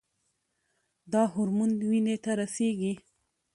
دا هورمون وینې ته رسیږي.